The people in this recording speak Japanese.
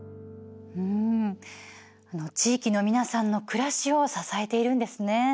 地域の皆さんの暮らしを支えているんですね。